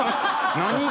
何が？